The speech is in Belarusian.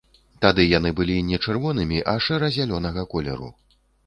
Тады яны былі не чырвонымі, а шэра-зялёнага колеру.